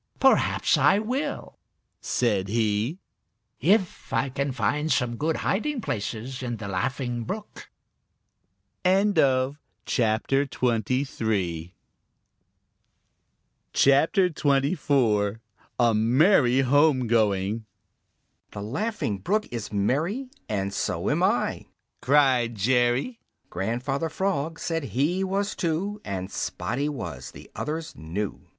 "Perhaps I will," said he, "if I can find some good hiding places in the Laughing Brook." CHAPTER XXIV: A Merry Home Going "The Laughing Brook is merry And so am I," cried Jerry. Grandfather Frog said he was too. And Spotty was, the others knew.